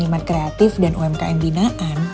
nimat kreatif dan umkm dinaan